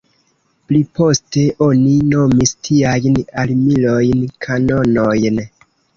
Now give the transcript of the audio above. Pliposte oni nomis tiajn armilojn kanonojn.